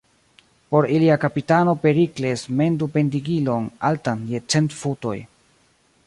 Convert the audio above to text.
Por ilia kapitano Perikles mendu pendigilon altan je cent futoj.